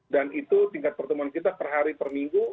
dan itu tingkat pertemuan kita per hari per minggu